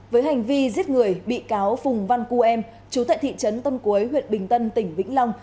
với hành vi giết người bị cáo phùng văn cư em chú tại thị trấn tân cuối huyện bình tân tỉnh vĩnh long